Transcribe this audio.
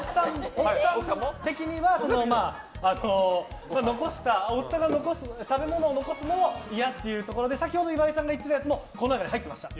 奥さん的には夫が食べ物を残すのがいやっていうところで先ほど岩井さんが言ってたやつもこの中に入ってました。